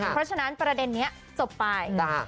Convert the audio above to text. เพราะฉะนั้นประเด็นนี้จบไป